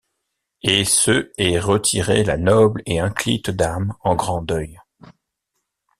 Et se est retirée la noble et inclyte dame en grant deuil.